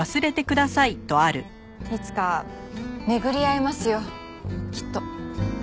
いつか巡り会えますよきっと。